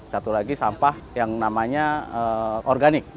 satu lagi sampah yang namanya organik